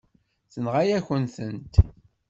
Tenɣa-yakent-tent.